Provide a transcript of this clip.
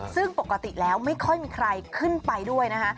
ซึ่งปกติแล้วไม่ค่อยมีใครขึ้นไปด้วยนะคะ